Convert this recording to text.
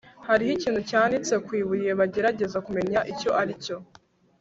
Hariho ikintu cyanditse ku ibuye bagerageza kumenya icyo aricyo